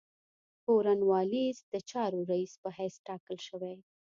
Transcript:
کورن والیس د چارو رییس په حیث تاکل شوی.